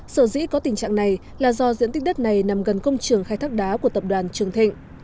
sở dĩ có tình trạng này là do diện tích đất này nằm gần công trường khai thác đá của tập đoàn trường thịnh